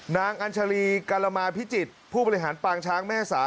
อัญชาลีกรมาพิจิตรผู้บริหารปางช้างแม่สา